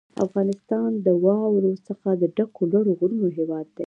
افغانستان د واورو څخه د ډکو لوړو غرونو هېواد دی.